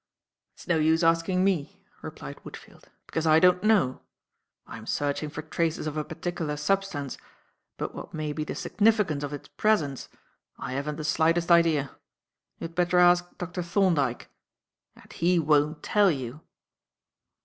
"It's no use asking me," replied Woodfield, "because I don't know. I am searching for traces of a particular substance, but what may be the significance of its presence, I haven't the slightest idea. You'd better ask Dr. Thorndyke and he won't tell you."